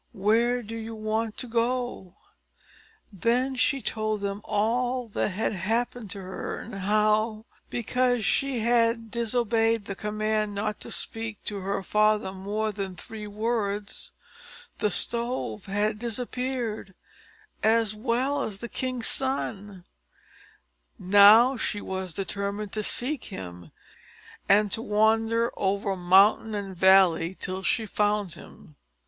where do you want to go?" Then she told them all that had happened to her, and how, because she had disobeyed the command not to speak to her father more than three words, the Stove had disappeared, as well as the king's son; now she was determined to seek him, and to wander over mountain and valley till she found him.